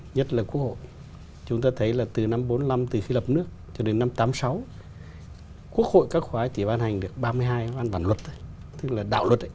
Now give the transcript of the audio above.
nhất là quốc hội chúng ta thấy là từ năm một nghìn chín trăm bốn mươi năm từ khi lập nước cho đến năm một nghìn chín trăm tám mươi sáu quốc hội các khóa chỉ ban hành được ba mươi hai văn bản luật tức là đạo luật